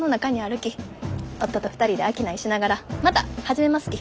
夫と２人で商いしながらまた始めますき。